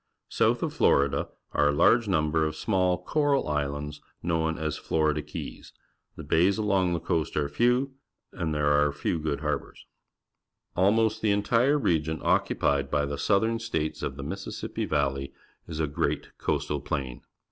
South of Florida are a laige number of small cor al islands, known as Florida Keys. The bays a long the coast are few, and there are few good harbours. Almost the Grouping of the States of the United States |j^g entire region occupied by the Southern States of the Alississippi Valley is a great coastal plain.